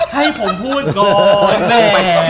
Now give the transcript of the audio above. ให้ผมพูดก่อนแม่